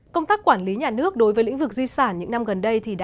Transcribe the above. công tác quản lý nhà nước đối với lĩnh vực di sản những năm gần đây đã